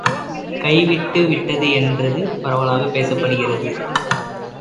கைவிட்டு விட்டது என்று பரவலாகப் பேசப் படுகிறது.